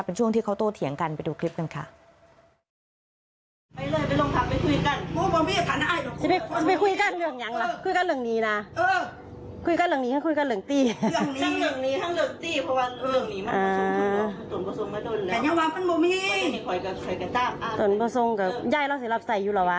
เป็นช่วงที่เขาโตเถียงกันไปดูคลิปกันค่ะ